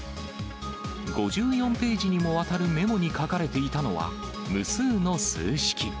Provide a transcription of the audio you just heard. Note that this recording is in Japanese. ５４ページにもわたるメモに書かれていたのは、無数の数式。